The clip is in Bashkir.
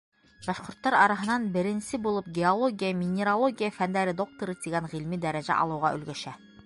Башҡорттар араһынан беренсе булып геология-минералогия фәндәре докторы тигән ғилми дәрәжә алыуға өлгәшә.